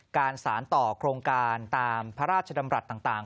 การสารต่อโครงการตามพระราชดำรัฐต่าง